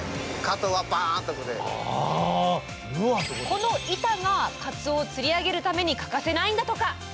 この板がかつおを釣り上げるために欠かせないんだとか！